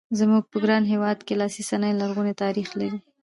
زموږ په ګران هېواد کې لاسي صنایع لرغونی تاریخ لري.